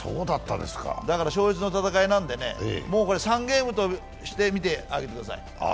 だから勝率の戦いなんでね、３ゲームとして見てあげてください。